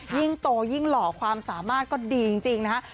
ยิ่งโตยิ่งหล่อความสามารถก็ดีจริงนะฮะ